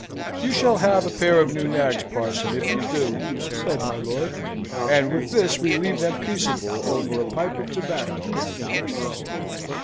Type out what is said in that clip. "You shall have a pair of new nags, parson, if you do," said my lord. And with this we leave them peaceable over a pipe of tobacco after breakfast.